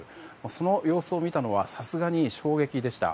その様子を見たのはさすがに衝撃でした。